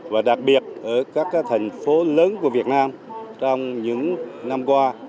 và đặc biệt ở các thành phố lớn của việt nam trong những năm qua